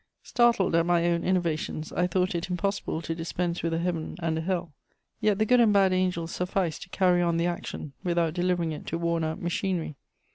Startled at my own innovations, I thought it impossible to dispense with a "Heaven" and a "Hell." Yet the good and bad angels sufficed to carry on the action, without delivering it to worn out machinery.